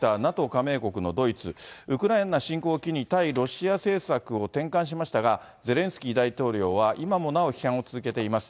加盟国のドイツ、ウクライナ侵攻を機に、対ロシア政策を転換しましたが、ゼレンスキー大統領は、今もなお批判を続けています。